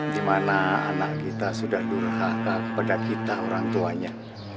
dimana anak kita sudah durhaka kepada kita orang tuanya